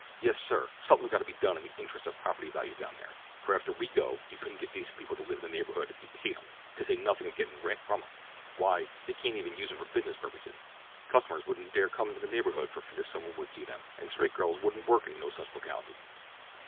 Yes, sir! Somethin's got to be done in the interests of property values down there, for after we go you couldn't get decent people to live in the neighborhood if you paid 'em, to say nothin' of gettin' rent from 'em—why, they can't even use 'em for business purposes! Customers wouldn't dare come into the neighborhood for fear some one would see them, and straight girls wouldn't work in no such locality.